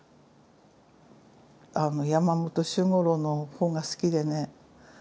山本周五郎の本が好きでね